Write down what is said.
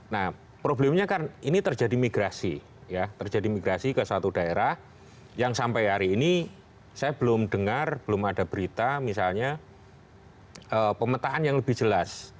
nah problemnya kan ini terjadi migrasi ya terjadi migrasi ke suatu daerah yang sampai hari ini saya belum dengar belum ada berita misalnya pemetaan yang lebih jelas